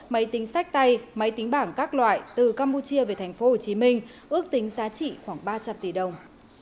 máy tính sách tay máy tính bảng các loại từ campuchia về tp hcm ước tính giá trị khoảng ba trăm linh tỷ đồng